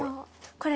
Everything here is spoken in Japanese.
これ。